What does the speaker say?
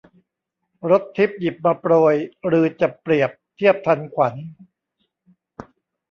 รสทิพย์หยิบมาโปรย ฤๅจะเปรียบเทียบทันขวัญ